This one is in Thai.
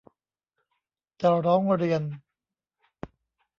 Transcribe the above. จะร้องเรียน